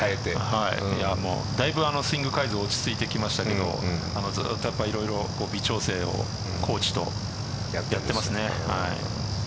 だいぶスイング改造落ち着いてきましたけどずっといろいろ微調整を細野。